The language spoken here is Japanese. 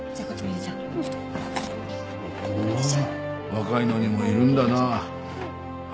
若いのにもいるんだなあ